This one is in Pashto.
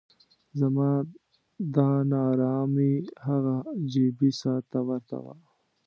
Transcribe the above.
زما دا نا ارامي هغه جیبي ساعت ته ورته وه.